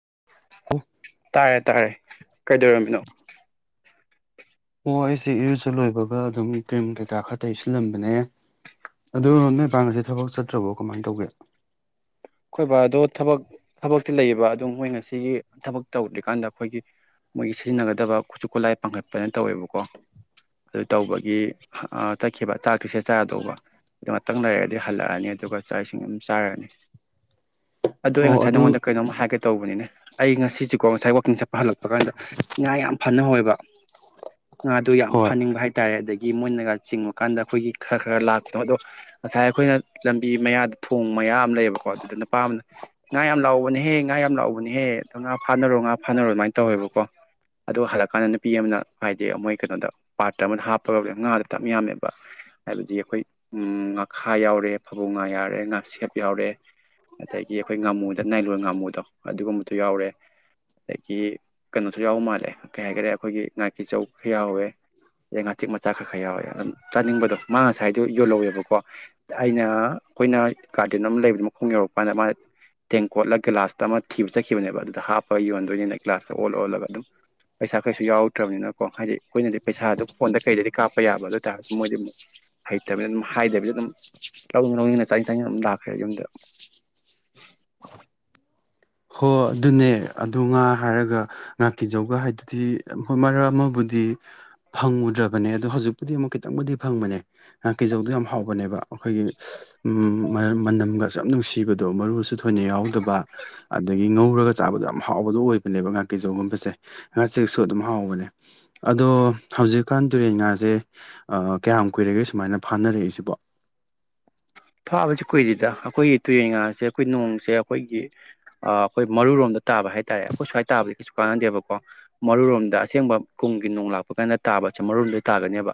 [inaudible] ꯇꯥꯔꯦ ꯇꯥꯔꯦ ꯀꯩꯗꯧꯔꯝꯃꯤꯅꯣ ꯑꯣ ꯑꯩꯁꯦ ꯏꯔꯨꯖ ꯂꯣꯏꯕꯒ ꯑꯗꯨꯝ ꯀ꯭ꯔꯤꯝ ꯀꯩꯀꯥ ꯈꯔ ꯇꯩꯁꯤꯜꯂꯝꯕꯅꯦ ꯑꯗꯣ ꯅꯣꯏꯄꯥ ꯉꯁꯥꯢ ꯊꯕꯛ ꯆꯠꯇ꯭ꯔꯕꯣ ꯀꯃꯥꯏꯅ ꯇꯧꯒꯦ ꯑꯩꯈꯣꯏ ꯕꯗꯣ ꯊꯕꯛ ꯊꯕꯛꯇꯤ ꯂꯩꯌꯦꯕ ꯑꯗꯨ ꯃꯣꯏ ꯉꯁꯤꯒꯤ ꯊꯕꯛ ꯇꯧꯗ꯭ꯔꯤꯀꯥꯟꯗ ꯑꯩꯈꯣꯏꯒꯤ ꯃꯣꯏꯒꯤ ꯁꯤꯖꯤꯟꯅꯒꯗꯕ ꯈꯨꯠꯁꯨ ꯈꯨꯠꯂꯥꯏ ꯄꯥꯡꯈꯠꯄꯅ ꯇꯧꯋꯦꯕꯀꯣ ꯑꯗꯨ ꯇꯧꯕꯒꯤ ꯆꯠꯈꯤꯕ ꯆꯥꯛꯇꯤꯁꯤꯗ ꯆꯥꯔꯗꯧꯕ ꯑꯗꯨ ꯉꯥꯛꯇꯪ ꯂꯩꯔꯗꯤ ꯍꯜꯂꯛꯑꯅꯤ ꯑꯗꯨꯒ ꯆꯥꯛ ꯏꯁꯤꯡ ꯑꯗꯨꯝ ꯆꯥꯔꯅꯤ ꯑꯗꯨ ꯑꯩ ꯉꯁꯥꯏ ꯅꯪꯉꯣꯟꯗ ꯀꯩꯅꯣꯝ ꯍꯥꯏꯒꯦ ꯇꯧꯕꯅꯤꯅꯦ ꯑꯩ ꯉꯁꯤꯁꯨ ꯀꯣ ꯁꯥꯏ ꯋꯥꯥꯀꯤꯡ ꯆꯠꯄ ꯍꯂꯛ ꯗ ꯉꯥ ꯌꯥꯝ ꯐꯅꯍꯧ ꯏꯕ ꯉꯥꯗꯨ ꯌꯥꯝ ꯍꯣꯏ ꯐꯅꯤꯡꯕ ꯍꯥꯏꯇꯥꯔꯦ ꯑꯗꯒꯤ ꯒꯤ ꯃꯣꯏꯅꯒ ꯆꯤꯡꯕ ꯀꯥꯟꯗ ꯑꯩꯈꯣꯏꯒꯤ ꯈꯔ ꯈꯔ ꯂꯥꯛꯄ ꯑꯗꯣ ꯉꯁꯥꯏ ꯑꯩꯈꯣꯏꯅ ꯂꯝꯕꯤ ꯃꯌꯥꯗ ꯊꯣꯡ ꯃꯌꯥꯝ ꯑꯃ ꯂꯩꯌꯦꯕꯀꯣ ꯀꯣ ꯑꯗꯨꯗ ꯅꯨꯄꯥ ꯑꯃꯅ ꯉꯥ ꯌꯥꯝ ꯂꯥꯛꯍꯧꯕꯅꯦꯍꯦ ꯉꯥ ꯌꯥꯝ ꯂꯥꯛꯍꯧꯕꯅꯦꯍꯦ ꯑꯗꯨꯗꯣ ꯉꯥ ꯐꯥꯅꯔꯣ ꯉꯥ ꯐꯥꯅꯔꯣ ꯑꯗꯨꯃꯥꯏꯅ ꯇꯧꯋꯦꯕꯀꯣ ꯑꯗꯨꯒ ꯍꯜꯂꯛꯀꯥꯟꯗ ꯅꯨꯄꯤ ꯑꯃꯅ ꯍꯥꯏꯗꯤ ꯃꯣꯏ ꯀꯩꯅꯣꯗ ꯄꯥꯇ꯭ꯔ ꯑꯃꯗ ꯍꯥꯞꯄꯒ ꯉꯥꯗꯣ ꯇꯞ ꯌꯥꯝꯃꯦꯕ ꯍꯥꯏꯕꯗꯤ ꯑꯩꯈꯣꯏ ꯉꯥꯈꯥ ꯌꯥꯎꯔꯦ ꯐꯕꯨꯡ ꯉꯥ ꯌꯥꯎꯔꯦ ꯉꯥꯁꯦꯞ ꯌꯥꯎꯔꯦ ꯑꯗꯒꯤ ꯑꯩꯈꯣꯏ ꯉꯥꯃꯨꯗ ꯅꯥꯏꯔꯣꯟ ꯉꯥꯃꯨꯗꯣ ꯑꯗꯨꯒꯨꯝꯕꯗꯣ ꯌꯥꯎꯔꯦ ꯑꯗꯒꯤ ꯀꯩꯅꯣꯁꯨ ꯌꯥꯎꯕ ꯃꯥꯜꯂꯦ ꯀꯩ ꯍꯥꯏꯒꯔꯦ ꯑꯩꯈꯣꯏꯒꯤ ꯉꯥꯀꯤ ꯆꯧ ꯈꯔ ꯌꯥꯎꯋꯦ ꯑꯗꯩ ꯉꯥꯆꯤꯛ ꯃꯆꯥ ꯈꯔ ꯈꯔ ꯌꯥꯎꯋꯦ ꯑꯗꯨꯝ ꯆꯥꯅꯤꯡꯕꯗꯣ ꯃꯥ ꯉꯁꯥꯏꯗꯣ ꯌꯣꯜꯍꯧꯋꯦꯕꯀꯣ ꯑꯩꯅ ꯑꯩꯈꯣꯏꯅ ꯒꯥꯔꯗꯦꯟ ꯑꯃ ꯂꯩꯕ ꯌꯨꯝ ꯌꯧꯔꯛꯄ ꯀꯥꯟꯗ ꯃꯥꯅ ꯇꯦꯡ ꯀꯣꯠꯂ ꯒꯤꯂꯥꯁꯂ ꯑꯃ ꯊꯤꯕ ꯆꯠꯈꯤꯕꯅꯦꯕ ꯑꯗꯨꯗ ꯍꯥꯞꯄꯒ ꯌꯣꯟꯗꯣꯏꯅꯤꯅ ꯒ꯭ꯂꯥꯁꯇ ꯑꯣꯜꯂ ꯑꯣꯜꯂꯒ ꯑꯗꯨꯝ ꯄꯩꯁꯥ ꯀꯩꯁꯨ ꯌꯥꯎꯔꯛꯗ꯭ꯔꯕꯅꯤꯅꯀꯣ ꯍꯥꯏꯗꯤ ꯑꯩꯈꯣꯏꯅꯗꯤ ꯄꯩꯁꯥꯗꯨ ꯐꯣꯟꯗ ꯀꯩꯗꯗꯤ ꯀꯥꯞꯄ ꯌꯥꯕ ꯑꯗꯨ ꯑꯣꯏ ꯇꯥꯔꯁꯨ ꯃꯣꯏꯗꯤ ꯑꯃꯨꯛ ꯍꯩꯇꯕꯅꯤꯅ ꯑꯗꯨꯝ ꯍꯥꯏꯗꯕꯤꯗ ꯑꯗꯨꯝ ꯂꯧꯅꯤꯡ ꯂꯧꯅꯤꯡꯅ ꯆꯥꯅꯤꯡ ꯆꯥꯅꯤꯡ ꯑꯗꯨꯝ ꯂꯥꯛꯈ꯭ꯔꯦ ꯌꯨꯝꯗ ꯍꯣ ꯑꯗꯨꯅꯦ ꯑꯗꯨ ꯉꯥ ꯍꯥꯏꯔꯒ ꯉꯥꯀꯤꯖꯧꯒ ꯍꯥꯏꯗꯨꯗꯤ ꯍꯣꯏ ꯃꯔꯛ ꯑꯃꯕꯨꯗꯤ ꯐꯪꯉꯨꯗ꯭ꯔꯕꯅꯦ ꯑꯗꯣ ꯍꯧꯖꯤꯛꯄꯨꯗꯤ ꯑꯃꯨꯛ ꯈꯤꯇꯪꯕꯨꯗꯤ ꯐꯪꯕꯅꯦ ꯉꯥꯀꯤꯖꯧꯗꯣ ꯌꯥꯝ ꯍꯥꯎꯕꯅꯦꯕ ꯑꯩꯈꯣꯏꯒꯤ ꯃꯔꯝ ꯃꯅꯝꯒ ꯌꯥꯝ ꯅꯨꯡꯁꯤꯕꯗꯣ ꯃꯔꯨꯁꯨ ꯊꯣꯏꯅ ꯌꯥꯎꯗꯕ ꯑꯗꯒꯤ ꯉꯧꯔꯒ ꯆꯥꯕꯗꯣ ꯌꯥꯝ ꯍꯥꯎꯕꯗꯣ ꯑꯣꯏꯕꯅꯦꯕ ꯑꯗꯨꯒꯤ ꯉꯥꯀꯦꯖꯧꯒꯨꯝꯕꯁꯦ ꯉꯥꯆꯦꯛꯁꯨ ꯑꯗꯨꯝ ꯍꯥꯎꯕꯅꯦ ꯑꯗꯣ ꯍꯧꯖꯤꯛꯀꯥꯟ ꯇꯨꯔꯦꯟ ꯉꯥꯁꯦ ꯀꯌꯥꯝ ꯀꯨꯏꯔꯒꯦ ꯁꯨꯃꯥꯏꯅ ꯐꯥꯅꯔꯛꯏꯁꯤꯕꯣ ꯐꯥꯕꯁꯤ ꯀꯨꯏꯔꯤꯗ ꯑꯩꯈꯣꯏꯒꯤ ꯇꯨꯔꯦꯟꯉꯥꯁꯦ ꯑꯩꯈꯣꯏꯒꯤ ꯅꯣꯡꯁꯦ ꯑꯩꯈꯣꯏꯒꯤ ꯑꯩꯈꯣꯏ ꯃꯔꯨꯔꯣꯝꯗ ꯇꯥꯕ ꯍꯥꯏꯇꯥꯔꯦ ꯑꯩꯈꯣꯏ ꯁꯋꯥꯏ ꯇꯥꯕ ꯀꯥꯟꯅꯗꯦꯕꯀꯣ ꯃꯔꯨꯔꯣꯝꯗ ꯑꯁꯦꯡꯕ ꯀꯨꯝꯒꯤ ꯅꯣꯡ ꯂꯥꯛꯄ ꯀꯥꯟꯗ ꯇꯥꯕꯁ ꯃꯔꯣꯝꯗꯣ ꯇꯥꯒꯅꯦꯕ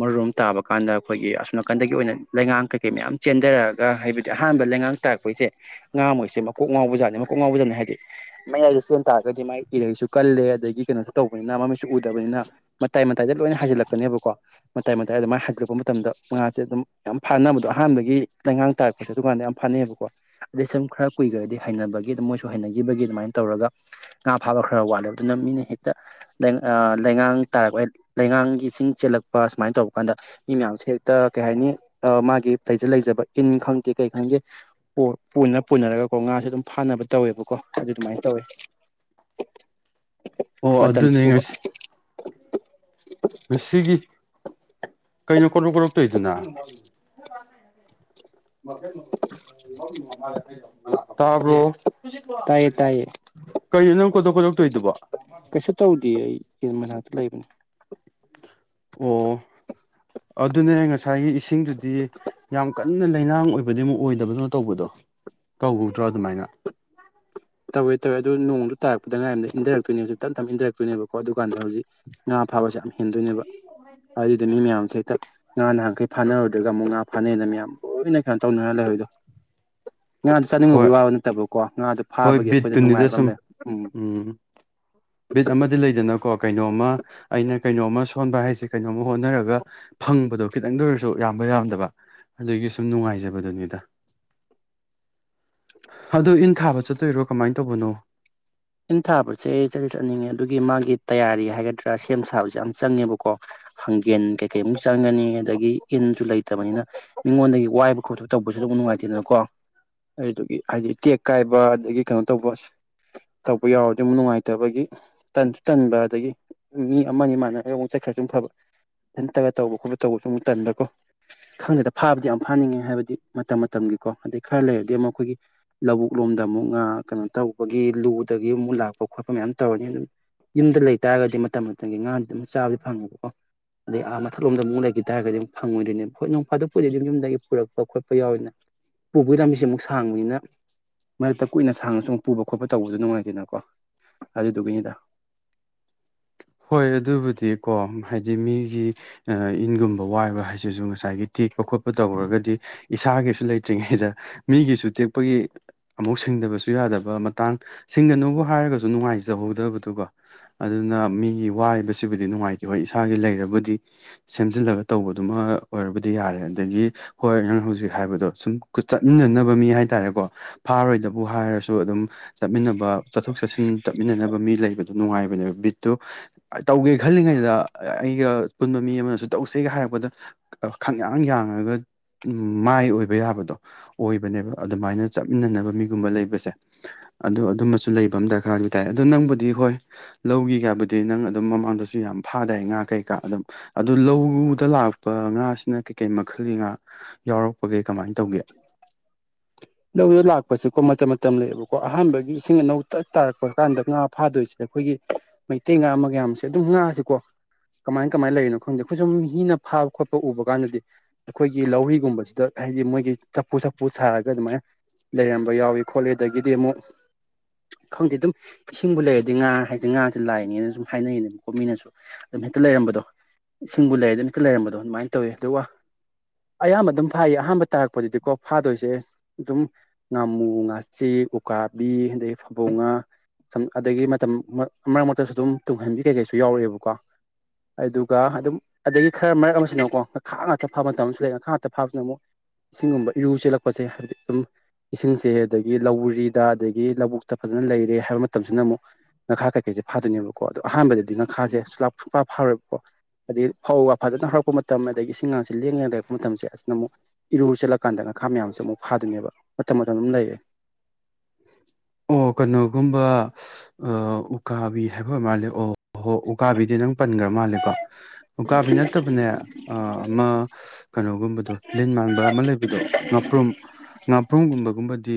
ꯃꯔꯨꯔꯣꯝ ꯇꯥꯕ ꯀꯥꯟꯗ ꯑꯩꯈꯣꯏꯒꯤ ꯑꯁꯣꯝ ꯅꯥꯀꯟꯗꯒꯤ ꯑꯣꯏꯅ ꯂꯩꯉꯥꯡ ꯀꯩ ꯀꯩ ꯃꯌꯥꯝ ꯆꯦꯟꯊꯔꯛꯑꯒ ꯍꯥꯏꯕꯗꯤ ꯑꯍꯥꯟꯕ ꯂꯩꯉꯥꯡ ꯇꯥꯔꯛꯄꯩꯁꯦ ꯉꯥ ꯃꯣꯏꯁꯦ ꯃꯀꯣꯛ ꯉꯥꯎꯕꯖꯥꯠꯅꯤ ꯃꯀꯣꯛ ꯉꯥꯎꯕꯖꯥꯠꯅꯦ ꯍꯥꯏꯗꯤ ꯃꯌꯥꯏꯗ ꯆꯦꯟ ꯇꯥꯔꯒꯗꯤ ꯃꯥꯒꯤ ꯏꯔꯩꯁꯨ ꯀꯜꯂꯦ ꯑꯗꯒꯤ ꯀꯩꯅꯣꯁꯨ ꯇꯧꯕꯅꯤꯅ ꯃꯩꯁꯨ ꯎꯗꯕꯅꯤꯅ ꯃꯇꯥꯏ ꯃꯇꯥꯏꯗ ꯂꯣꯏꯅ ꯍꯥꯏꯖꯤꯜꯂꯛꯀꯅꯦꯕꯀꯣ ꯃꯇꯥꯏ ꯃꯇꯥꯏꯗ ꯑꯗꯨ ꯃꯥꯏ ꯍꯥꯏꯖꯤꯜꯂꯛꯄ ꯃꯇꯝꯗ ꯉꯥꯁꯦ ꯑꯗꯨꯝ ꯌꯥꯝ ꯐꯥꯅꯕꯗꯣ ꯑꯍꯥꯟꯕꯒꯤ ꯂꯩꯉꯥꯡ ꯇꯥꯔꯛꯄꯁꯦ ꯑꯗꯨꯀꯥꯟꯗ ꯌꯥꯝ ꯐꯅꯩꯑꯕꯀꯣ ꯑꯗꯩ ꯁꯨꯝ ꯈꯔ ꯀꯨꯏꯈ꯭ꯔꯗꯤ ꯍꯩꯅꯕꯒꯤ ꯑꯗꯨ ꯃꯣꯏꯁꯨ ꯍꯩꯅꯈꯤꯕꯒꯤ ꯑꯗꯨꯃꯥꯏꯅ ꯇꯧꯔꯒ ꯉꯥ ꯐꯥꯕ ꯈꯔ ꯋꯥꯠꯂꯦꯕ ꯑꯗꯨꯅ ꯃꯤꯅ ꯍꯦꯛꯇ ꯂꯩꯉꯥꯡ ꯇꯥꯔꯛꯄ ꯂꯩꯉꯥꯡꯒꯤꯁꯤꯡ ꯆꯦꯜꯂꯛꯄ ꯁꯨꯃꯥꯏꯅ ꯇꯧꯕꯔ ꯀꯥꯟꯗ ꯃꯤ ꯃꯌꯥꯝꯁꯦ ꯍꯦꯛꯇ ꯀꯩ ꯍꯥꯏꯅꯤ ꯃꯥꯒꯤ ꯂꯩꯖ ꯂꯩꯖꯕ ꯏꯟ ꯈꯪꯗꯦ ꯀꯩ ꯈꯪꯗꯦ ꯄꯅ ꯄꯨꯅꯔꯒꯀꯣ ꯉꯥꯁꯦ ꯑꯗꯨꯝ ꯐꯥꯅꯕ ꯇꯧꯋꯦꯕꯀꯣ ꯑꯗꯨ ꯑꯗꯨꯃꯥꯏꯅ ꯇꯧꯋꯦ ꯑꯣ ꯑꯗꯨꯅꯦ ꯃꯇꯝꯁꯤꯕꯨꯕ ꯉꯁꯤ ꯁꯤꯒꯤ ꯀꯩꯅꯣ ꯀꯣ꯭ꯔꯞ ꯀꯣꯔꯣꯛ ꯇꯧꯗꯨꯅ [unintelligible] ꯇꯕ꯭ꯔꯣ ꯇꯥꯏꯌꯦ ꯇꯥꯏꯌꯦ ꯀꯩꯅꯣ ꯅꯪ ꯀꯣꯠꯇꯣꯛ ꯀꯣꯠꯇꯣꯛ ꯊꯧꯏꯗꯨꯕꯨ ꯀꯩꯁꯨ ꯇꯧꯗꯦ ꯑꯩ ꯌꯦꯟ ꯃꯅꯥꯛꯇ ꯂꯩꯕꯅꯦ ꯑꯣ ꯑꯗꯨꯅꯦ ꯉꯁꯥꯏꯒꯤ ꯏꯁꯤꯡꯗꯨꯗꯤ ꯌꯥꯝ ꯀꯟꯅ ꯂꯩꯅꯥꯡ ꯑꯣꯏꯕꯗꯤ ꯑꯃꯨꯛ ꯑꯣꯏꯗꯕꯅꯣ ꯇꯧꯕꯗꯣ ꯀꯧꯗ꯭ꯔꯣ ꯑꯗꯨꯃꯥꯏꯅ ꯇꯧꯋꯦ ꯇꯧꯋꯦ ꯑꯗꯨ ꯅꯣꯡꯗꯨ ꯇꯥꯛꯄꯗ ꯉꯥꯏ ꯑꯃꯝꯅ ꯏꯟꯊꯔꯛꯇꯣꯏꯅꯦ ꯍꯧꯖꯤꯛ ꯇꯞ ꯇꯞ ꯏꯟꯊꯔꯛꯇꯣꯏꯅꯦꯕꯀꯣ ꯑꯗꯨ ꯀꯥꯟꯗ ꯍꯧꯖꯤꯛ ꯉꯥ ꯐꯕꯁꯦ ꯌꯥꯝ ꯍꯦꯟꯗꯣꯏꯅꯦꯕ ꯑꯗꯨꯗ ꯃꯤ ꯃꯌꯥꯝꯁꯦ ꯉꯥ ꯅꯍꯥꯟꯈꯩ ꯐꯥꯅꯔꯨꯗ꯭ꯔꯒ ꯑꯃꯨꯛ ꯉꯥ ꯐꯥꯅꯩꯅ ꯃꯌꯥꯝ ꯂꯣꯏꯅ ꯀꯩꯅꯣ ꯇꯧꯅꯔ ꯂꯩꯍꯧꯏꯗꯣ ꯉꯥꯗꯣ ꯍꯣꯏ ꯆꯥꯅꯤꯡꯉꯕꯒꯤ ꯋꯥꯕ ꯅꯠꯇꯕꯀꯣ ꯉꯥꯗꯣ ꯍꯣꯏ ꯐꯥꯕꯒꯤ ꯕꯤꯠ ꯑꯩꯈꯣꯏꯗ ꯇꯨꯅꯤꯗ ꯅꯨꯡꯉꯥꯏꯕ ꯑꯃ ꯁꯨꯝ ꯂꯩ ꯎꯝ ꯕꯤꯠ ꯑꯃꯗꯤ ꯂꯩꯗꯅ ꯀꯣ ꯀꯩꯅꯣꯝꯃ ꯑꯩꯅ ꯀꯩꯅꯣꯝꯃ ꯁꯣꯟꯕ ꯍꯥꯏꯁꯦ ꯀꯩꯅꯣꯝꯃ ꯍꯣꯠꯅꯔꯒ ꯐꯪꯕꯗꯣ ꯈꯤꯇꯪꯗ ꯑꯣꯏꯔꯁꯨ ꯌꯥꯝꯕ ꯌꯥꯝꯗꯕ ꯑꯗꯨꯒꯤ ꯁꯨꯝ ꯅꯨꯡꯉꯥꯏꯖꯕꯗꯨꯅꯤꯗ ꯑꯗꯨ ꯏꯟ ꯊꯥꯕ ꯆꯠꯇꯣꯏꯔꯣ ꯀꯃꯥꯏꯅ ꯇꯕꯨꯅꯣ ꯏꯟ ꯊꯥꯕꯁꯦ ꯑꯩ ꯆꯠꯂꯤ ꯆꯠꯅꯤꯡꯉꯦ ꯑꯗꯨꯒꯤ ꯃꯥꯒꯤ ꯇꯌꯥꯔꯤ ꯍꯥꯏꯒꯗ꯭ꯔꯥ ꯁꯦꯝ ꯁꯥꯕꯁꯦ ꯌꯥꯝ ꯆꯪꯉꯦꯕꯀꯣ ꯍꯪꯒꯦꯟ ꯀꯩꯀꯩꯃꯨꯛ ꯆꯪꯒꯅꯤ ꯑꯗꯒꯤ ꯏꯟꯁꯨ ꯂꯩꯇꯕꯅꯤꯅ ꯃꯤꯉꯣꯟꯗꯒꯤ ꯋꯥꯏꯕ ꯈꯣꯠꯄ ꯇꯧꯕꯁꯨ ꯑꯗꯨꯝ ꯅꯨꯡꯉꯥꯏꯇꯦꯗꯅꯀꯣ ꯑꯗꯨꯒꯤ ꯍꯥꯏꯗꯤ ꯇꯦꯛ ꯀꯥꯏꯕ ꯑꯗꯒꯤ ꯀꯩꯅꯣ ꯇꯧꯕ ꯇꯧꯕ ꯌꯥꯎꯔꯗꯤ ꯑꯃꯨꯛ ꯅꯨꯡꯉꯥꯏꯇꯕꯒꯤ ꯇꯟꯁꯨ ꯇꯟꯕ ꯑꯗꯒꯤ ꯃꯤ ꯑꯃꯅꯤ ꯃꯥꯥꯟꯅ ꯑꯩ ꯑꯃꯨꯛ ꯆꯠꯈꯔꯁꯨ ꯐꯕ ꯏꯟꯇꯒ ꯇꯧꯕ ꯈꯣꯠꯄ ꯇꯧꯕꯁꯨ ꯑꯃꯨꯛ ꯇꯟꯕꯀꯣ ꯈꯪꯗꯦꯗ ꯐꯥꯕꯗꯤ ꯌꯥꯝ ꯐꯥꯅꯤꯡꯉꯦ ꯍꯥꯏꯕꯗꯤ ꯃꯇꯝ ꯃꯇꯝꯒꯤꯀꯣ ꯑꯗꯩ ꯈꯔ ꯂꯩꯔꯗꯤ ꯑꯃꯨꯛ ꯑꯩꯈꯣꯏꯒꯤ ꯂꯧꯕꯨꯛ ꯂꯣꯝꯗ ꯑꯃꯨꯛ ꯉ ꯀꯩꯅꯣ ꯇꯧꯕꯒꯤ ꯂꯨ ꯑꯗꯨꯒꯤ ꯑꯃꯨꯛ ꯂꯥꯛꯄ ꯈꯣꯠꯄ ꯃꯌꯥꯝ ꯇꯧꯔꯅꯤ ꯑꯗꯨꯝ ꯌꯨꯝꯗ ꯂꯩꯇꯥꯥꯔꯒꯗꯤ ꯃꯇꯝ ꯃꯇꯝꯒꯤ ꯉꯥꯗꯤ ꯑꯗꯨꯝ ꯆꯥꯕꯗꯤ ꯐꯪꯉꯦꯕꯀꯣ ꯑꯗꯩ ꯑꯥ ꯃꯊꯛꯂꯣꯝꯗ ꯑꯃꯨꯛ ꯂꯩꯈꯤ ꯇꯥꯔꯒꯗꯤꯨꯛ ꯐꯪꯉꯣꯏꯗꯣꯏꯅꯦꯕ ꯍꯣꯏ ꯅꯣꯡ ꯐꯥꯗ ꯄꯨꯗꯗꯤ ꯑꯗꯨꯝ ꯌꯨꯝꯗꯒꯤ ꯄꯨꯔꯛꯄ ꯈꯣꯠꯄ ꯌꯥꯎꯋꯅ ꯄꯨꯕꯒꯤ ꯂꯝꯕꯤꯁꯦ ꯑꯃꯨꯛ ꯁꯥꯡꯕꯅꯤꯅ ꯃꯔꯛꯇ ꯀꯨꯏꯅ ꯁꯥꯡꯉꯁꯨ ꯑꯃꯨꯛ ꯄꯨꯕ ꯈꯣꯠꯄ ꯇꯧꯕꯗꯣ ꯅꯨꯡꯉꯥꯏ ꯅꯀꯣ ꯑꯗꯨꯗꯨꯒꯤꯅꯤꯗ ꯍꯣꯏ ꯑꯗꯨꯕꯨꯗꯤꯀꯣ ꯍꯥꯏꯗꯤ ꯃꯤꯒꯤ ꯏꯟꯒꯨꯝꯕ ꯋꯥꯏꯕ ꯍꯥꯏꯁꯤꯁꯨ ꯉꯁꯥꯏꯒꯤ ꯇꯤꯛ ꯈꯣꯠꯄ ꯇꯧꯔꯒꯗꯤ ꯏꯁꯥꯒꯤ ꯁꯨ ꯂꯩꯇ꯭ꯔꯤꯉꯩꯗ ꯃꯤꯒꯤꯁꯨ ꯇꯦꯛꯄꯒꯤ ꯑꯃꯨꯛ ꯁꯤꯡꯗꯕꯁꯨ ꯌꯥꯗꯕ ꯃꯇꯥꯡ ꯁꯤꯡꯒꯅꯨꯕꯨ ꯍꯥꯏꯔꯒꯁꯨ ꯅꯨꯡꯉꯥꯏꯖꯍꯧꯗꯕꯗꯨꯀꯣ ꯑꯗꯨꯅ ꯃꯤ ꯋꯥꯏꯕꯁꯤꯕꯨꯗꯤ ꯅꯨꯡꯉꯥꯏꯇꯦ ꯍꯣꯏ ꯏꯁꯥꯒꯤ ꯂꯩꯕꯨꯗꯤ ꯁꯦꯝꯖꯤꯜꯂꯒ ꯇꯧꯕꯗꯨꯃ ꯑꯣꯏꯔꯕꯨꯗꯤ ꯌꯥꯔꯦ ꯑꯗꯒꯤ ꯍꯣꯏ ꯅꯪ ꯍꯧꯖꯤꯛ ꯍꯥꯏꯕꯗꯣ ꯁꯨꯝ ꯆꯠꯃꯤꯟꯅꯅꯕ ꯃꯤ ꯍꯥꯏꯇꯥꯔꯦꯀꯣ ꯐꯥꯔꯣꯏꯗꯕꯨ ꯍꯥꯏꯔꯁꯨ ꯑꯗꯨꯝ ꯆꯠꯃꯤꯟꯅꯕ ꯆꯠꯊꯣꯛ ꯆꯠꯁꯤꯟ ꯇꯠꯃꯤꯟꯅꯅꯕ ꯃꯤ ꯂꯩ ꯅꯨꯡꯉꯥꯏꯕꯅꯦꯕ ꯕꯤꯠꯇꯨ ꯇꯧꯒꯦ ꯈꯜꯂꯤꯉꯩꯗ ꯑꯩꯒ ꯄꯨꯟꯕ ꯃꯤ ꯑꯃꯅꯁꯨ ꯇꯧꯁꯦꯒ ꯍꯥꯏꯔꯛꯄꯗ ꯈꯪꯌꯥꯥꯡ ꯌꯥꯡꯉꯒ ꯃꯥꯏ ꯑꯣꯏꯕ ꯌꯥꯕꯗꯣ ꯑꯣꯏꯕꯅꯦꯕ ꯑꯗꯨꯃꯥꯏꯅ ꯆꯠꯃꯤꯟꯅꯅꯕ ꯃꯤꯒꯨꯝꯕ ꯂꯩꯕꯁꯦ ꯑꯗꯣ ꯑꯗꯨꯃꯁꯨ ꯂꯩꯕ ꯑꯃ ꯗꯔꯀꯥꯔ ꯑꯣꯏ ꯇꯥꯏ ꯑꯗꯨꯗꯣ ꯅꯪꯕꯨꯗꯤ ꯍꯣꯏ ꯂꯧꯒꯤꯒꯥꯕꯨꯗꯤ ꯗꯤ ꯅꯪ ꯑꯗꯨꯝ ꯃꯃꯥꯡꯗꯁꯨ ꯌꯥꯝ ꯐꯥꯗꯥꯏ ꯉꯥ ꯀꯩꯀꯥ ꯑꯗꯨꯝ ꯑꯗꯨ ꯂꯧꯗ ꯂꯥꯛꯄ ꯉꯥꯁꯤꯅ ꯀꯩꯀꯩ ꯃꯈꯜꯒꯤ ꯉꯥ ꯌꯥꯎꯔꯛꯄꯒꯦ ꯀꯃꯥꯏꯅ ꯇꯧꯒꯦ ꯂꯧꯗ ꯂꯥꯛꯄꯁꯦ ꯑꯩꯈꯣꯏ ꯃꯇꯝ ꯃꯇꯝ ꯂꯩꯌꯦꯕꯀꯣ ꯑꯍꯥꯟꯕꯒꯤ ꯏꯁꯤꯡ ꯑꯅꯧ ꯇ ꯇꯥꯔꯛꯄ ꯀꯥꯟꯗ ꯉꯥ ꯐꯥꯗꯣꯏꯁꯦ ꯑꯩꯈꯣꯏꯒꯤ ꯃꯩꯇꯩ ꯉꯥ ꯃꯌꯥꯝꯁꯦ ꯑꯗꯨꯝ ꯉꯥꯁꯦꯀꯣ ꯀꯃꯥꯏ ꯀꯃꯥꯏꯅ ꯂꯩꯔꯤꯅꯣ ꯈꯪꯗꯦ ꯑꯩꯈꯣꯏ ꯁꯨꯝ ꯃꯤꯅ ꯐꯥꯕ ꯈꯣꯠꯄ ꯎꯕ ꯀꯥꯟꯗꯗꯤ ꯑꯩꯈꯣꯏꯒꯤ ꯂꯧꯔꯤꯒꯨꯝꯕꯁꯤꯗ ꯍꯥꯏꯗꯤ ꯃꯣꯏꯒꯤ ꯆꯐꯨ ꯆꯐꯨ ꯁꯥꯔꯒ ꯑꯗꯨꯃꯥꯏꯅ ꯂꯩꯔꯝꯕ ꯌꯥꯎꯏ ꯈꯣꯠꯂꯤ ꯑꯗꯒꯤꯗꯤ ꯑꯃꯨꯛ ꯈꯪꯗꯦ ꯑꯗꯨꯝ ꯏꯁꯤꯡꯕꯨ ꯂꯩꯔꯗꯤ ꯉꯥ ꯍꯥꯏꯁꯦ ꯉꯥꯁꯦ ꯂꯥꯏꯅꯦꯅ ꯁꯨ ꯍꯥꯏꯅꯩꯅꯦꯕꯀꯣ ꯃꯤꯅꯁꯨ ꯑꯗꯨꯝ ꯍꯦꯛꯇ ꯂꯩꯔꯝꯕꯗꯣ ꯏꯁꯤꯡꯕꯨ ꯂꯩꯔ ꯑꯗꯨꯝ ꯍꯦꯛꯇ ꯂꯩꯔꯝꯕꯗꯣ ꯑꯗꯨꯃꯥꯏꯅ ꯇꯧꯋꯦ ꯑꯗꯨꯒ ꯑꯌꯥꯝꯕ ꯑꯗꯨꯝ ꯐꯥꯏꯌꯦ ꯑꯍꯥꯟꯕ ꯇꯥꯔꯛꯄꯗꯗꯤꯀꯣ ꯐꯥꯗꯣꯏꯁꯦ ꯑꯗꯨꯝ ꯉꯥꯃꯨ ꯉꯥꯥꯆꯤꯛ ꯎꯀꯥꯕꯤ ꯑꯗꯒꯤ ꯐꯕꯧꯡ ꯉꯥ ꯁꯝ ꯑꯗꯒꯤ ꯃꯇꯝ ꯃꯔꯛ ꯃꯔꯛꯇꯁꯨ ꯑꯗꯨꯝ ꯇꯨꯡꯍꯟꯕꯤ ꯀꯩꯀꯩꯁꯨ ꯌꯥꯎꯔꯛꯑꯦꯕꯀꯣ ꯑꯗꯨꯒ ꯑꯗꯨꯝ ꯑꯗꯒꯤ ꯈꯔ ꯃꯔꯛ ꯑꯃꯁꯤꯅ ꯑꯃꯨꯀꯣ ꯉꯈꯥ ꯉꯥꯛꯇ ꯐꯥꯕ ꯃꯇꯝ ꯑꯃꯁꯨ ꯂꯩ ꯉꯥꯈꯥ ꯉꯥꯛꯇ ꯐꯥꯕꯁꯤꯅ ꯑꯃꯨꯛ ꯏꯁꯤꯡꯒꯨꯝꯕ ꯏꯔꯨ ꯆꯦꯜꯂꯛꯄꯁꯦ ꯍꯥꯏꯕꯗꯤ ꯁꯨꯝ ꯏꯁꯤꯡꯁꯦ ꯑꯗꯒꯤ ꯂꯧꯔꯤꯗ ꯑꯗꯒꯤ ꯂꯧꯕꯨꯛꯇ ꯐꯖꯅ ꯂꯩꯔꯦ ꯍꯥꯏꯕ ꯃꯇꯝꯁꯤꯅ ꯑꯃꯨꯛ ꯉꯈꯥ ꯀꯩꯀꯩꯁꯦ ꯐꯥꯗꯣꯏꯅꯦꯕꯀꯣ ꯑꯗꯣ ꯑꯍꯥꯟꯕꯗꯗꯤ ꯉꯈꯥꯁꯦ ꯁꯨꯂꯥꯞ ꯁꯨꯐꯥ ꯐꯥꯔꯣꯏꯕꯀꯣ ꯑꯗꯩ ꯐꯧꯀ ꯐꯖꯅ ꯍꯧꯔꯛꯄ ꯃꯇꯝ ꯑꯗꯒꯤ ꯏꯁꯤꯡꯒꯥꯁꯦ ꯂꯦꯡꯗꯅ ꯂꯩꯔꯛꯄ ꯃꯇꯝꯁꯦ ꯑꯁꯤꯅ ꯑꯃꯨꯛ ꯏꯔꯨ ꯆꯠꯂꯀꯥꯟꯗ ꯉꯥꯈꯥ ꯃꯌꯥꯝꯁꯦ ꯑꯃꯨꯛ ꯐꯥꯗꯣꯏꯅꯦꯕ ꯃꯇꯝ ꯃꯇꯝ ꯑꯗꯨꯝ ꯂꯩꯔꯦ ꯑꯣ ꯀꯩꯅꯣꯒꯨꯝꯕ ꯎꯀꯥꯕꯤ ꯍꯥꯏꯐ ꯃꯥꯜꯂꯦ ꯑꯣ ꯍꯣ ꯎꯀꯥꯕꯤꯗꯤ ꯅꯪ ꯄꯟꯈ꯭ꯔ ꯃꯥꯜꯂꯦꯀꯣ ꯎꯀꯥꯕꯤ ꯅꯠꯇꯕꯅꯦ ꯑꯃ ꯀꯩꯅꯣꯒꯨꯝꯕꯗꯣ ꯂꯤꯟ ꯃꯥꯟꯕ ꯑꯃ ꯂꯩꯕꯗꯣ ꯉꯥꯄ꯭ꯔꯨꯝ ꯉꯥꯄ꯭ꯔꯨꯝꯒꯨꯝꯕꯒꯨꯝꯕꯗꯤ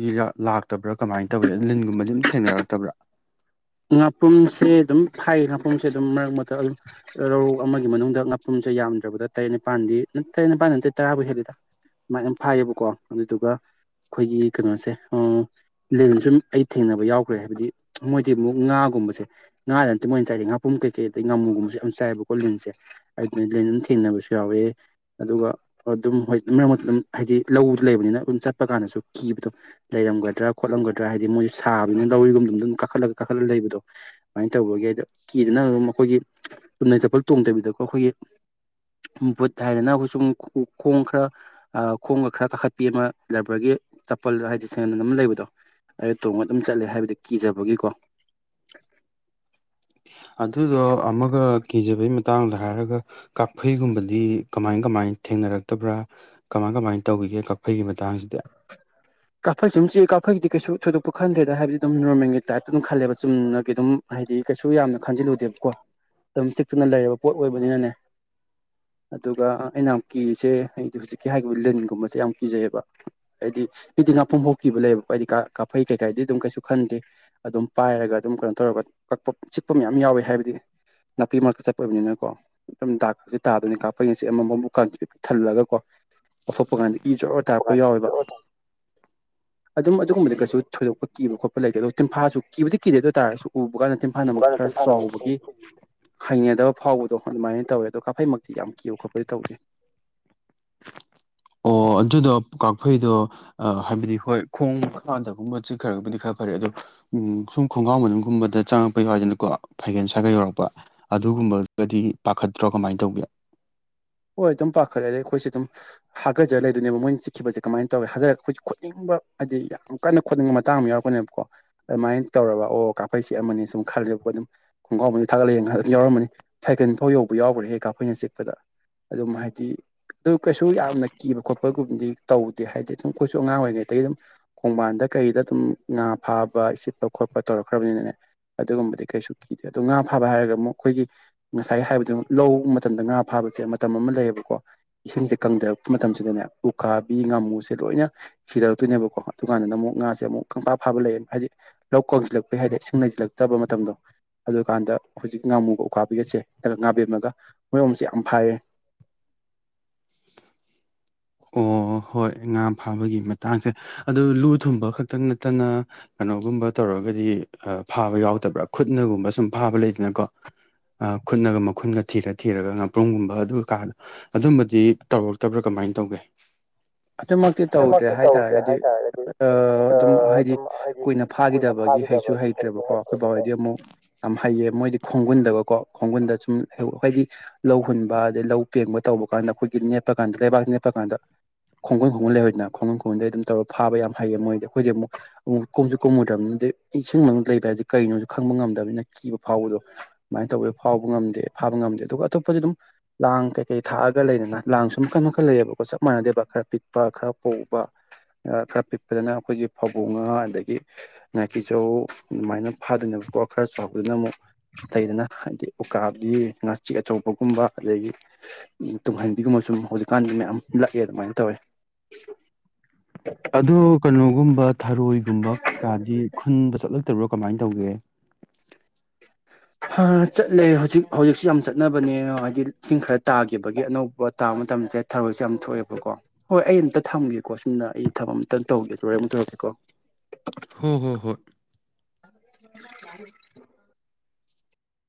ꯃꯤꯔ ꯂꯛ ꯇꯕ꯭ꯔꯥ ꯀꯃꯥꯏꯅ ꯇꯧꯋꯤ ꯂꯤꯟꯒꯨꯝꯕꯗꯤ ꯑꯗꯨꯝ ꯊꯦꯡꯅꯔꯛꯇꯕ꯭ꯔꯥ ꯉꯥꯄ꯭ꯔꯨꯝꯁꯦ ꯑꯗꯨꯝ ꯐꯥꯏꯌꯦ ꯉꯥꯄ꯭ꯔꯨꯝꯁꯦ ꯑꯗꯨꯝ ꯃꯔꯛ ꯃꯔꯛꯇ ꯑꯗꯨꯝ ꯔꯧ ꯑꯃꯒꯤ ꯃꯅꯨꯡꯗ ꯉꯥꯄꯨꯝꯁꯦ ꯌꯥꯝꯗ꯭ꯔꯕꯗ ꯇꯔꯦꯠ ꯅꯤꯄꯥꯜꯗꯤ ꯇꯔꯦꯠ ꯅꯤꯄꯥꯜ ꯅꯠꯇꯦ ꯇꯔꯥꯕꯨ ꯍꯦꯜꯂꯤꯗ ꯑꯗꯨꯨꯃꯥꯏꯅ ꯐꯥꯏꯌꯦꯕꯀꯣ ꯑꯗꯨꯗꯨꯒ ꯑꯩꯈꯣꯏꯒꯤ ꯀꯩꯅꯣꯁꯦ ꯂꯦꯟꯁꯨꯝ ꯑꯩ ꯊꯦꯡꯅꯕ ꯌꯥꯎꯈ꯭ꯔꯦ ꯍꯥꯏꯕꯗꯤ ꯃꯣꯏ ꯍꯥꯏꯗꯤ ꯑꯃꯨꯛ ꯉꯥꯒꯨꯝꯕꯁꯦ ꯉꯥꯗ ꯅꯠꯇꯦ ꯃꯣꯏꯅ ꯆꯥꯏꯁꯦ ꯉꯥꯄꯔꯨꯝ ꯀꯩꯀꯩ ꯑꯗꯗꯒꯤ ꯉꯥꯃꯨꯒꯨꯝꯕꯁꯦ ꯌꯥꯝ ꯆꯥꯏꯕꯀꯣ ꯂꯤꯟꯁꯦ ꯑꯗꯨꯅ ꯂꯤꯟ ꯑꯗꯨꯝ ꯊꯦꯡꯅꯕꯁꯨ ꯌꯥꯎꯋꯦ ꯑꯗꯨꯒ ꯑꯗꯨꯝ ꯍꯣꯏ ꯃꯔꯛ ꯃꯔꯛꯇ ꯑꯗꯨꯝ ꯍꯥꯏꯗꯤ ꯂꯧꯗ ꯂꯩꯕꯅꯤꯅ ꯑꯗꯨꯝ ꯆꯠꯄ ꯀꯥꯟꯗꯁꯨ ꯀꯤꯕꯗꯣ ꯂꯩꯔꯝꯒꯗ꯭ꯔꯥ ꯈꯣꯠꯂꯝꯒꯗ꯭ꯔꯥ ꯍꯥꯏꯗꯤ ꯃꯣꯏꯁꯨ ꯁꯥꯕꯅꯤꯅ ꯂꯧꯔꯤꯒꯨꯝꯕ ꯑꯗꯨꯝ ꯀꯥꯈꯠꯂ ꯀꯥꯈꯠꯂꯒ ꯂꯩꯕꯗꯣ ꯑꯗꯨꯃꯥꯏꯅ ꯇꯧꯕꯒꯤ ꯑꯩꯗꯣ ꯀꯤꯗꯅ ꯑꯗꯨꯝ ꯑꯩꯈꯣꯏꯒꯤ ꯆꯨꯅ ꯆꯄꯜ ꯇꯣꯡꯗꯕꯤꯗꯀꯣ ꯑꯩꯈꯣꯏꯒꯤ ꯕꯨꯠ ꯍꯥꯏꯗꯅ ꯑꯩꯈꯣꯏ ꯁꯨꯝ ꯈꯣꯡ ꯈꯔ ꯈꯣꯡꯒ ꯈꯔ ꯀꯥꯈꯠꯄꯤ ꯑꯃ ꯂꯕꯔꯒꯤ ꯆꯄꯜꯗꯣ ꯍꯥꯏꯗꯤ ꯁꯦꯟꯗꯜ ꯑꯃ ꯂꯩꯕꯗꯣ ꯑꯗꯨ ꯇꯣꯡꯉ ꯑꯗꯨꯝ ꯆꯠꯂꯦ ꯍꯥꯏꯕꯗ ꯀꯤꯖꯕꯒꯤꯀꯣ ꯑꯗꯨꯗꯣ ꯑꯃꯒ ꯀꯤꯖꯕꯩ ꯃꯇꯥꯡꯗ ꯍꯥꯏꯔꯒ ꯀꯥꯛꯐꯩꯒꯨꯝꯕꯗꯤ ꯀꯃꯥꯏ ꯀꯃꯥꯏꯅ ꯊꯦꯡꯅꯔꯛꯇꯕ꯭ꯔꯥ ꯀꯃꯥꯏ ꯀꯃꯥꯏꯅ ꯇꯧꯈꯤꯒꯦ ꯀꯥꯐꯩꯒꯤ ꯃꯇꯥꯡꯁꯤꯗ ꯀꯥꯐꯩ ꯁꯨꯝ ꯑꯗꯨꯝ ꯆꯤꯛꯏ ꯀꯥꯐꯩꯒꯤꯗꯤ ꯀꯩꯁꯨ ꯊꯣꯏꯗꯣꯛꯄ ꯈꯟꯗ꯭ꯔꯦꯗ ꯍꯥꯏꯕꯗꯤ ꯑꯗꯨꯝ ꯅꯣꯔꯃꯦꯜꯒꯤ ꯇꯥꯏꯞꯇ ꯑꯗꯨꯝ ꯈꯜꯂꯦꯕ ꯆꯨꯝꯅꯒꯤ ꯑꯗꯨꯝ ꯍꯥꯏꯗꯤ ꯀꯩꯁꯨ ꯌꯥꯝꯅ ꯈꯟꯖꯤꯜꯂꯨꯗꯦꯕꯀꯣ ꯑꯗꯨꯝ ꯆꯤꯛꯇꯨꯅ ꯂꯩꯔꯕ ꯄꯣꯠ ꯑꯣꯏꯕꯅꯤꯅꯅꯦ ꯑꯗꯨꯒ ꯑꯩꯅ ꯌꯥꯝ ꯀꯤꯔꯤꯁꯦ ꯑꯩꯗꯤ ꯍꯧꯖꯤꯛꯀꯤ ꯍꯥꯏꯈꯤꯕ ꯂꯤꯟꯒꯨꯝꯕꯁꯦ ꯌꯥꯝ ꯀꯤꯖꯩꯌꯦꯕ ꯍꯥꯏꯗꯤ ꯃꯤꯗꯤ ꯉꯥꯄ꯭ꯔꯨꯝ ꯐꯥꯎ ꯀꯤꯕ ꯂꯩꯕꯀꯣ ꯑꯩꯗꯤ ꯀꯥꯛꯐꯩ ꯀꯩꯀꯥꯏꯗꯤ ꯑꯗꯨꯝ ꯀꯩꯁꯨ ꯈꯟꯗꯦ ꯑꯗꯨꯝ ꯄꯥꯏꯔꯒ ꯑꯗꯨꯝ ꯀꯩꯅꯣ ꯇꯧꯔꯒ ꯀꯛꯄ ꯆꯤꯛꯄ ꯃꯌꯥꯝ ꯌꯥꯎꯋꯦ ꯍꯥꯏꯕꯗꯤ ꯅꯥꯄꯤ ꯃꯔꯛꯇ ꯆꯠꯄ ꯑꯣꯏꯕꯅꯤꯅꯀꯣ ꯑꯗꯨꯝ ꯗꯥꯛꯁꯦ ꯇꯥꯗꯣꯏꯅꯤ ꯀꯥꯛꯐꯩꯅ ꯆꯤꯛꯑꯝꯕ ꯃꯕꯨꯛꯀꯥꯁꯦ ꯊꯜꯂꯒꯀꯣ ꯂꯧꯊꯣꯛꯄ ꯀꯥꯟꯗ ꯏ ꯖꯣꯔ ꯇꯥꯛꯄꯀ ꯌꯥꯎꯋꯦꯕ ꯑꯗꯨꯝ ꯑꯗꯨꯒꯨꯝꯕꯗꯤ ꯀꯩꯁꯨ ꯊꯣꯏꯗꯣꯛꯄ ꯀꯤꯕ ꯈꯣꯠꯄ ꯂꯩꯇꯦ ꯇꯤꯟꯐꯥꯁꯨ ꯀꯤꯕꯗꯤ ꯀꯤꯗꯦ ꯑꯗꯨ ꯑꯣꯏ ꯇꯥꯔꯁꯨ ꯎꯕ ꯀꯥꯟꯗꯥ ꯃꯥꯅ ꯑꯃꯨꯛ ꯈꯔ ꯆꯥꯎꯕꯒꯤ ꯍꯩꯅꯗꯕ ꯐꯥꯎꯕꯗꯣ ꯑꯗꯨꯃꯥꯏꯅ ꯇꯧꯋꯦ ꯑꯗꯣ ꯀꯥꯛꯐꯩꯃꯛꯇꯤ ꯌꯥꯝ ꯀꯤꯕ ꯈꯣꯠꯄꯗꯤ ꯇꯧꯗꯦ ꯑꯣ ꯑꯗꯨꯗꯣ ꯀꯥꯛꯐꯩꯗꯣ ꯍꯥꯏꯕꯗꯤ ꯍꯣꯏ ꯈꯣꯡ ꯃꯄꯥꯟꯗꯒꯨꯝꯕ ꯆꯤꯛꯈꯔꯕꯨꯗꯤ ꯈꯔ ꯐꯔꯦ ꯑꯗꯣ ꯎ ꯁꯨꯝ ꯈꯣꯡꯒꯥꯎ ꯃꯅꯨꯡꯒꯨꯝꯕꯗ ꯆꯪꯉꯛꯄ ꯌꯥꯎꯋꯤꯗꯅꯀꯣ ꯐꯩꯒꯜ ꯁ꯭ꯋꯥꯏꯒ ꯌꯧꯔꯛꯄ ꯑꯗꯨꯒꯨꯝꯕꯒꯗꯤ ꯄꯥꯈꯠꯇ꯭ꯔꯣ ꯀꯃꯥꯏꯅ ꯇꯧꯒꯦ ꯍꯣꯏ ꯑꯗꯨꯝ ꯄꯥꯈꯠꯂꯦ ꯑꯗꯩ ꯑꯩꯈꯣꯏꯁꯨ ꯑꯗꯨꯝ ꯍꯥꯒꯠꯆꯔꯒ ꯂꯩꯗꯣꯏꯅꯦꯕ ꯃꯣꯏꯅ ꯆꯤꯛꯈꯤꯕꯁꯦ ꯀꯃꯥꯏꯅ ꯇꯧꯔꯦ ꯍꯀꯠꯖꯔ ꯑꯩꯈꯣꯏꯁꯨ ꯈꯣꯠꯅꯤꯡꯕ ꯍꯥꯏꯕꯗꯤ ꯌꯥꯝ ꯀꯟꯅ ꯈꯣꯠꯅꯤꯡꯕ ꯃꯇꯥꯡ ꯑꯃ ꯌꯥꯎꯔꯛꯄꯅꯦꯕꯀꯣ ꯑꯗꯨꯃꯥꯏꯅ ꯇꯧꯔꯕ ꯑꯣ ꯀꯥꯐꯩ ꯆꯤꯛꯑꯃꯅꯤꯅ ꯁꯨꯝ ꯈꯜꯂꯦꯕꯀꯣ ꯑꯗꯨꯝ ꯈꯣꯡꯒ꯭ꯔꯥꯎꯁꯦ ꯊꯒꯠꯂ ꯌꯦꯡꯅ ꯑꯗꯨꯝ ꯌꯥꯎꯔꯝꯃꯅꯤ ꯐꯥꯏꯀꯟ ꯐꯥꯎ ꯌꯧꯕ ꯌꯥꯎꯈ꯭ꯔꯦꯍꯦ ꯀꯥꯐꯩꯅ ꯆꯤꯛꯄꯗ ꯑꯗꯨꯝ ꯍꯥꯏꯗꯤ ꯑꯗꯨ ꯀꯩꯁꯨ ꯌꯥꯝꯅ ꯀꯤꯕ ꯈꯣꯠꯄꯒꯨꯝꯕꯗꯤ ꯇꯧꯗꯦ ꯍꯥꯏꯗꯤ ꯑꯗꯨꯝ ꯑꯩꯈꯣꯏꯁꯨ ꯑꯉꯥꯡ ꯑꯣꯏꯔꯤꯉꯩꯗꯒꯤ ꯑꯗꯨꯝ ꯈꯣꯡꯕꯥꯟꯗ ꯀꯩꯗ ꯑꯗꯨꯝ ꯉꯥ ꯐꯥꯕ ꯏꯁꯤꯠꯄ ꯈꯣꯠꯄ ꯇꯧꯔꯛꯈ꯭ꯔꯕꯅꯤꯅꯅꯦ ꯑꯗꯨꯒꯨꯝꯕꯗꯤ ꯀꯩꯁꯨ ꯀꯤꯗꯦ ꯑꯗꯨꯗꯣ ꯉꯥ ꯐꯥꯕ ꯍꯥꯏꯔꯒ ꯑꯃꯨꯛ ꯑꯩꯈꯣꯏꯒꯤ ꯉꯁꯥꯏ ꯍꯥꯏꯕꯗꯨ ꯂꯧ ꯃꯇꯝꯗ ꯉꯥ ꯐꯥꯕꯁꯦ ꯃꯇꯝ ꯑꯃ ꯂꯩꯌꯦꯕꯀꯣ ꯏꯁꯤꯡꯁꯦ ꯀꯪꯊꯔꯛꯄ ꯃꯇꯝꯁꯤꯗꯅꯦ ꯎꯀꯥꯕꯤ ꯉꯥꯃꯨꯁꯦ ꯂꯣꯏꯅ ꯁꯤꯗꯔꯛꯇꯣꯏꯅꯦꯕꯀꯣ ꯑꯗꯨꯀꯥꯟꯗꯅ ꯑꯃꯨꯛ ꯉꯥꯁꯦ ꯑꯃꯨꯛ ꯈꯪꯐꯥ ꯐꯥꯕ ꯂꯩꯌꯦ ꯍꯥꯏꯗꯤ ꯂꯧ ꯀꯪꯁꯤꯜꯂꯛꯄꯩ ꯍꯥꯏꯗꯤ ꯏꯁꯤꯡ ꯂꯩꯁꯤꯜꯂꯛꯇꯕ ꯃꯇꯝꯗꯣ ꯑꯗꯨꯀꯥꯟꯗ ꯍꯧꯖꯤꯛ ꯉꯥꯃꯨꯒ ꯎꯈꯥꯕꯤꯒꯠꯁꯦ ꯅꯒ ꯉꯥꯕꯦꯝꯃꯒ ꯃꯣꯏꯒꯨꯝꯕꯁꯦ ꯌꯥꯝ ꯐꯥꯏꯌꯦ ꯑꯣ ꯍꯣꯏ ꯉꯥ ꯐꯥꯕꯒꯤ ꯃꯇꯥꯡꯁꯦ ꯑꯗꯨ ꯂꯨ ꯊꯨꯝꯕ ꯈꯛꯇꯪ ꯅꯠꯇꯅ ꯀꯩꯅꯣꯒꯨꯝꯕ ꯇꯧꯔꯒꯗꯤ ꯐꯥꯕ ꯌꯥꯎꯗꯕ꯭ꯔꯥ ꯈꯨꯠꯅꯒꯨꯝꯕ ꯁꯨꯝ ꯐꯥꯕ ꯂꯩꯗꯅꯀꯣ ꯈꯨꯠꯅꯒ ꯃꯈꯨꯟꯒ ꯊꯤꯔ ꯊꯤꯔꯒ ꯉꯥꯄ꯭ꯔꯨꯝꯒꯨꯝꯕ ꯑꯗꯨꯒ ꯀꯥꯗ ꯑꯗꯨꯝꯕꯗꯤ ꯇꯧꯔꯛꯇꯕ꯭ꯔꯥ ꯀꯃꯥꯏꯅ ꯇꯧꯒꯦ [inaudible] ꯑꯗꯨꯃꯛꯇꯤ ꯇꯧꯗ꯭ꯔꯦ ꯍꯥꯏꯇꯥꯥꯔꯒꯗꯤ ꯑꯗꯨꯝ ꯍꯥꯏꯗꯤ ꯀꯨꯏꯅ ꯐꯥꯈꯤꯗꯕꯒꯤ ꯍꯩꯁꯨ ꯍꯩꯇ꯭ꯔꯦꯕꯀꯣ ꯑꯩꯈꯣꯏ ꯕꯥꯍꯣꯏꯗꯤ ꯑꯃꯨꯛ ꯌꯥꯝ ꯍꯩꯌꯦ ꯃꯣꯏꯗꯤ ꯈꯣꯡꯒꯨꯟꯗꯀꯀꯣ ꯈꯣꯡꯒꯨꯟꯗ ꯁꯨꯝ ꯍꯥꯏꯗꯤ ꯂꯧ ꯍꯨꯟꯕ ꯑꯗꯩ ꯂꯧ ꯄꯦꯡꯕ ꯇꯧꯕ ꯀꯥꯟꯗ ꯑꯩꯈꯣꯏꯒꯤ ꯅꯦꯠꯄ ꯀꯥꯟꯗ ꯂꯩꯕꯥꯛꯇ ꯅꯦꯠꯄ ꯀꯥꯟꯗ ꯈꯣꯡꯒꯨꯟ ꯈꯣꯡꯒꯟ ꯂꯩꯍꯧꯏꯗꯅ ꯈꯣꯡꯒꯟ ꯈꯣꯡꯒꯨꯟꯗꯩ ꯑꯗꯨꯝ ꯇꯧꯔ ꯐꯥꯕ ꯌꯥꯝ ꯍꯩꯌꯦ ꯃꯣꯏꯗꯤ ꯑꯩꯈꯣꯏꯗꯤ ꯑꯃꯨꯛ ꯑꯃꯨꯛ ꯀꯨꯝꯁꯨ ꯀꯨꯝꯃꯨꯗ꯭ꯔꯕꯅꯤꯅꯗꯤ ꯏꯁꯤꯡ ꯃꯅꯨꯡꯗ ꯂꯩꯕ ꯍꯥꯏꯁꯦ ꯀꯩꯅꯣꯁꯨ ꯈꯪꯕ ꯉꯝꯗꯕꯅꯤꯅ ꯀꯤꯕ ꯐꯥꯎꯕꯗꯣ ꯑꯗꯨꯃꯥꯏꯅ ꯇꯧꯏ ꯐꯥꯎꯕ ꯉꯝꯗꯦ ꯐꯥꯕ ꯉꯝꯗꯦ ꯑꯗꯨꯒ ꯑꯇꯣꯞꯄꯗꯤ ꯑꯗꯨꯝ ꯂꯥꯡ ꯀꯩꯀꯩ ꯊꯥꯛꯑꯒ ꯂꯩꯗꯅ ꯂꯥꯡꯁꯨꯝ ꯃꯈꯟ ꯃꯈꯜ ꯂꯩꯌꯦꯕꯀꯣ ꯆꯞ ꯃꯥꯟꯅꯗꯦꯕ ꯈꯔ ꯄꯤꯛꯄ ꯈꯔ ꯄꯧꯕ ꯈꯔ ꯄꯤꯛꯄꯗꯅ ꯑꯩꯈꯣꯏꯒꯤ ꯐꯕꯨꯡ ꯉꯥ ꯑꯗꯒꯤ ꯉꯥꯀꯤꯆꯧ ꯑꯗꯨꯃꯥꯏꯅ ꯐꯥꯗꯣꯏꯅꯦꯕꯀꯣ ꯈꯔ ꯆꯥꯎꯗꯅ ꯑꯃꯨꯛ ꯂꯩꯗꯅ ꯍꯥꯏꯗꯤ ꯎꯀꯥꯕꯤ ꯉꯥꯆꯤꯛ ꯑꯆꯧꯕꯒꯨꯝꯕ ꯑꯗꯒꯤ ꯇꯨꯡꯍꯟꯕꯤꯒꯨꯝꯕ ꯁꯨꯝ ꯍꯧꯖꯤꯛꯀꯥꯟꯒꯤ ꯃꯌꯥꯝ ꯂꯥꯛꯑꯦ ꯑꯗꯨꯃꯥꯏꯅ ꯇꯧꯋꯦ [inaudible] ꯑꯗꯣ ꯀꯩꯅꯣꯒꯨꯝꯕ ꯊꯔꯣꯏꯒꯨꯝꯕ ꯀꯥꯗꯤ ꯈꯨꯟꯕ ꯆꯠꯂꯛꯇꯕꯔꯣ ꯀꯃꯥꯏꯅ ꯇꯧꯒꯦ ꯆꯠꯂꯦ ꯍꯧꯖꯤꯛ ꯍꯧꯖꯤꯛꯁꯨ ꯌꯥꯝ ꯆꯠꯅꯕꯅꯦ ꯍꯥꯏꯗꯤ ꯏꯁꯤꯡ ꯈꯔ ꯇꯥꯈꯤꯕꯒꯤ ꯑꯅꯧꯕ ꯇꯥ ꯃ ꯇꯝ ꯆꯦꯠ ꯊꯔꯣꯏꯁꯦ ꯌꯥꯝ ꯊꯣꯛꯑꯦꯕꯀꯣ ꯍꯣꯏ ꯑꯩ ꯑꯝꯇ ꯊꯝꯒꯦꯀꯣ ꯁꯣꯝꯗ ꯑꯩ ꯊꯕꯛ ꯑꯝꯇꯪ ꯇꯧꯒꯦ ꯇꯩꯔꯦ ꯑꯃꯨꯛ ꯇꯔꯛꯀꯦꯀꯣ ꯍꯣ ꯍꯣ ꯍꯣꯏ [unintelligible]